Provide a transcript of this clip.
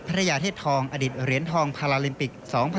พระยาเทศทองอดิตเหรียญทองพาราลิมปิก๒๐๑๖